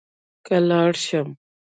که لاړ شم.